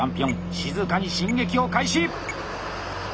静かに進撃を開始！